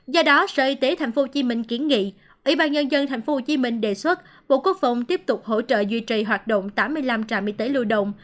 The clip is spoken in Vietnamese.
do đó sở y tế tp hcm kiến nghị ủy ban nhân dân tp hcm đề xuất bộ quốc phòng tiếp tục hỗ trợ duy trì hoạt động tám mươi năm trạm y tế lưu động